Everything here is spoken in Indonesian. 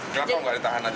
kenapa tidak ditahan saja